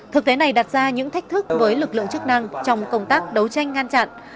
thực tế này đặt ra những thách thức với lực lượng chức năng trong công tác đấu tranh ngăn chặn